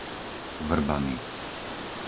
Vrbany